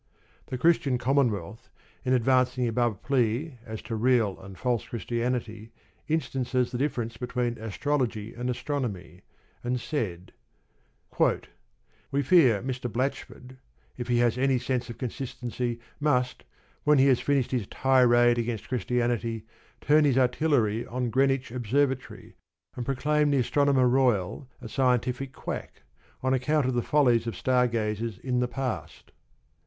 The Christian Commonwealth, in advancing the above plea as to real and false Christianity, instances the difference between Astrology and Astronomy, and said: We fear Mr. Blatchford, if he has any sense of consistency, must, when he has finished his tirade against Christianity, turn his artillery on Greenwich Observatory, and proclaim the Astronomer Royal a scientific quack, on account of the follies of star gazers in the past.